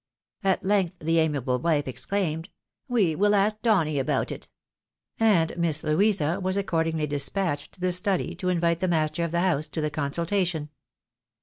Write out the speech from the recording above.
At length the amiable wife ex claimed, " We will ask Donny about it." And Miss Louisa was accordingly despatched to the study to invite the master of the house to the consultation.